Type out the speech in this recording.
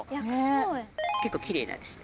結構きれいなんです。